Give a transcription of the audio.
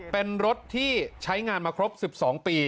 เป็นรถที่ใช้งานมาครบ๑๒ปี